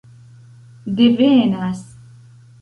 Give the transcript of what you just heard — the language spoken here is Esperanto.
devenas